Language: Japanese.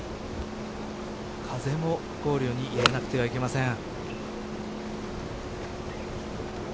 風も考慮に入れなくてはいけません。